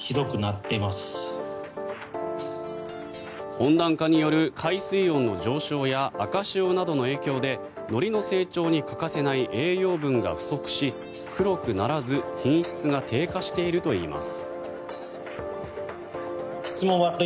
温暖化による海水温の上昇や赤潮などの影響でのりの成長に欠かせない栄養分が不足し黒くならず品質が低下しているといいます。